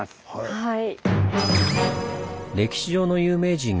はい。